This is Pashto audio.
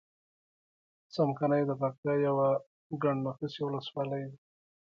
څمکنی دپکتیا یوه نفوسې ولسوالۍ ده.